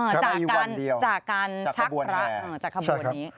ในวันเดียวจากการชักรักจากคบวนนี้ใช่ไหมครับ